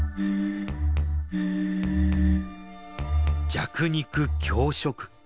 弱肉強食。